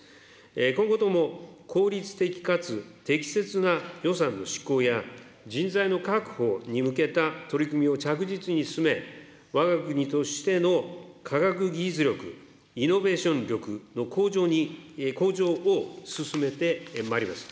今後とも効率的かつ適切な予算の執行や人材の確保に向けた取り組みを着実に進め、わが国としての科学技術力、イノベーション力の向上を進めてまいります。